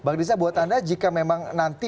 bapak disa buat anda jika memang nanti